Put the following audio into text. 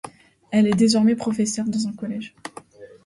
Elle est désormais professeur dans un collège.